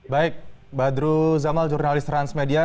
baik badru zamal jurnalis transmedia